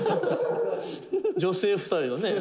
「女性２人のね」